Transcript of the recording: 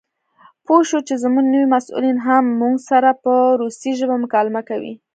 پوه شوو چې زموږ نوي مسؤلین هم موږ سره په روسي ژبه مکالمه کوي.